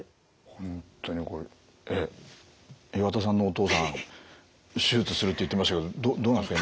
本当にこれえっ岩田さんのお父さん手術するって言ってましたけどどうなんですか？